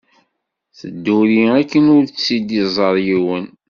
Tedduri akken ur tt-id-iẓer yiwen.